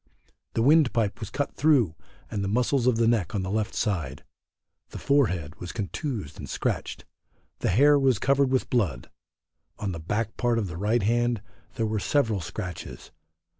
The windpipe was cut through and the muscles of the neck on the left side; the forehead was contused and scratched. The hair was covered with blood. On the back part of the right hand there were several scratches.